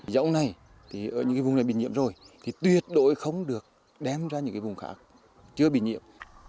dẫu này những vùng này bị nhiễm rồi thì tuyệt đội không được đem ra những vùng khác chưa bị nhiễm